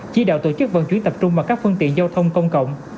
chỉ đạo tổ chức vận chuyển tập trung vào các phương tiện giao thông công cộng